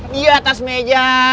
di atas meja